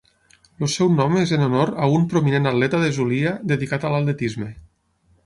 El seu nom és en honor a un prominent atleta de Zulia dedicat a l'atletisme.